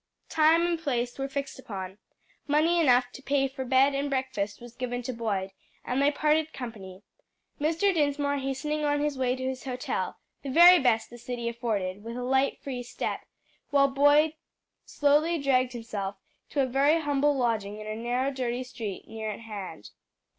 Time and place were fixed upon, money enough to pay for bed and breakfast was given to Boyd, and they parted company, Mr. Dinsmore hastening on his way to his hotel the very best the city afforded with a light, free step, while Boyd slowly dragged himself to a very humble lodging in a narrow, dirty street near at hand.